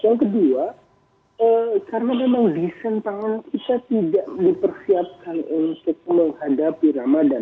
yang kedua karena memang desain pangan kita tidak dipersiapkan untuk menghadapi ramadan